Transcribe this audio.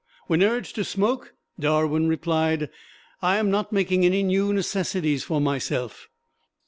When urged to smoke, Darwin replied, "I am not making any new necessities for myself."